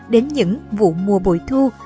đến những vụ mùa buổi thu